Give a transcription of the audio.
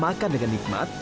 makan dengan nikmat